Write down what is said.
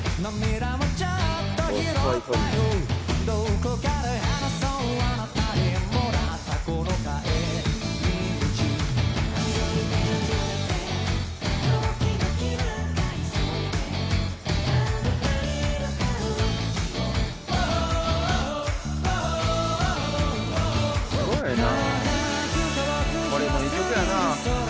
「これもいい曲やな」